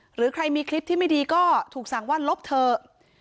หรือใครมีคลิปที่ไม่ดีก็ถูกสั่งว่าลบเถอะ